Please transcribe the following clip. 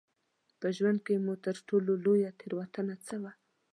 په ژوند کې مو تر ټولو لویه تېروتنه څه وه؟